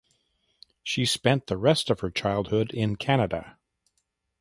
She spent the rest of her childhood in Canada.